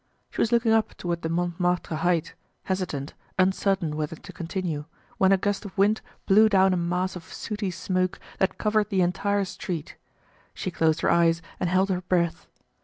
She was looking up toward the Montmartre height, hesitant, uncertain whether to continue, when a gust of wind blew down a mass of sooty smoke that covered the entire street. She closed her eyes and held her breath.